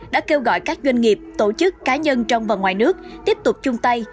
đã kêu gọi các doanh nghiệp tổ chức cá nhân trong và ngoài nước tiếp tục chung tay